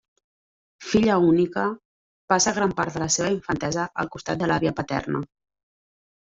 Filla única, passa gran part de la seva infantesa al costat de l'àvia paterna.